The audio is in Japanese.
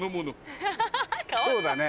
そうだね